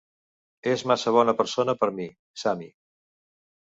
És massa bona persona per mi, Sammy.